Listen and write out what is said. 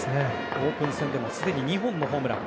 オープン戦でもすでに２本のホームラン。